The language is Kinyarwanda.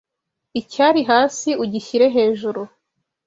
icyari hasi ugishyire hejuru